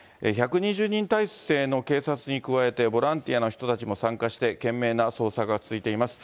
１２０人態勢の警察に加えて、ボランティアの人たちも参加して、懸命な捜索が続いています。